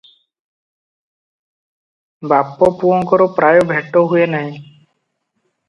ବାପ ପୁଅଙ୍କର ପ୍ରାୟ ଭେଟ ହୁଏ ନାହିଁ ।